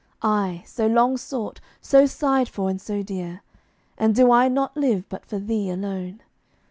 I, so long sought, so sighed for and so dear? And do I not live but for thee alone?